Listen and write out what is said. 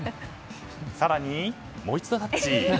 更に、もう一度タッチ。